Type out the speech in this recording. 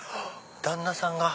旦那さんが。